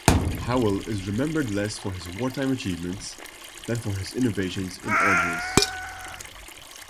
Howell is remembered less for his wartime achievements than for his innovations in ordnance.